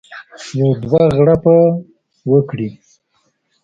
یو دوه غړپه وکړي.